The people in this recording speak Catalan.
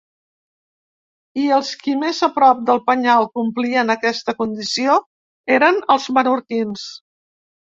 I els qui més a prop del penyal complien aquesta condició eren els menorquins.